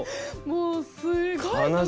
もうすごい独特！